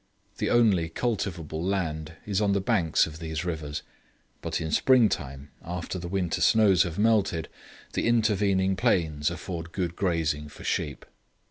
The only cultivable ground is on the banks of these rivers; but in spring time, after the winter snows have melted, the intervening plains afford good grazing for sheep.'